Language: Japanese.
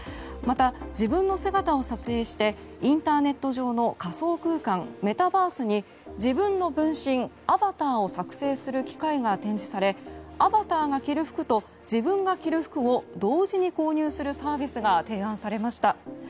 また自分の姿を撮影してインターネット上の仮想空間メタバースに自分の分身アバターを作成する機械が展示されアバターが着る服と自分が着る服を同時に購入するサービスが提案されました。